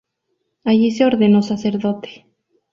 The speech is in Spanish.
Allí se ordenó sacerdote.